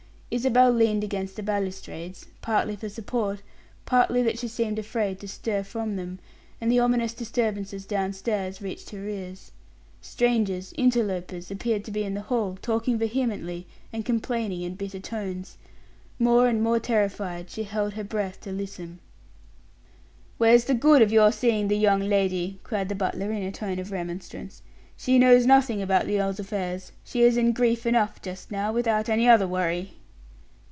Isabel leaned against the balustrades; partly for support, partly that she seemed afraid to stir from them; and the ominous disturbances downstairs reached her ears. Strangers, interlopers, appeared to be in the hall, talking vehemently, and complaining in bitter tones. More and more terrified, she held her breath to listen. "Where's the good of your seeing the young lady?" cried the butler, in a tone of remonstrance. "She knows nothing about the earl's affairs; she is in grief enough just now, without any other worry."